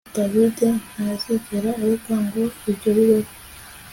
David ntazigera areka ngo ibyo bibeho